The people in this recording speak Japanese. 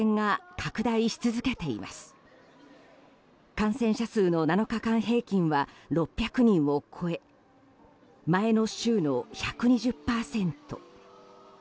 感染者数の７日間平均は６００人を超え前の週の１２０％。